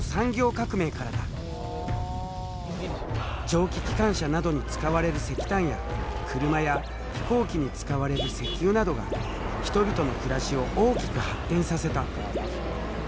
蒸気機関車などに使われる石炭や車や飛行機に使われる石油などが人々の暮らしを大きく発展させた。